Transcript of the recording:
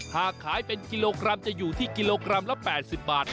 หากขายเป็นกิโลกรัมจะอยู่ที่กิโลกรัมละ๘๐บาท